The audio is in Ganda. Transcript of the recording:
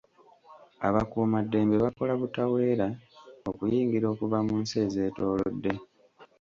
Abakuumaddembe bakola butaweera okuyingira okuva mu nsi ezeetoolodde.